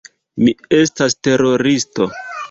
Mi estas teroristo.